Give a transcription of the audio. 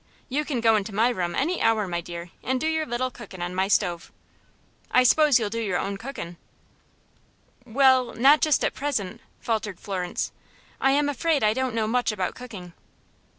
You can go into my room any hour, my dear, and do your little cookin' on my stove. I s'pose you'll do your own cookin'?" "Well, not just at present," faltered Florence. "I am afraid I don't know much about cooking."